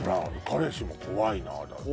彼氏も「怖いなぁ」。